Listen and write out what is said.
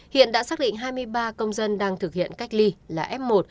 hiện đã xác định hai mươi ba công dân đang thực hiện cách ly là f một